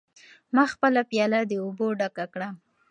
ما خپله پیاله د اوبو ډکه کړه.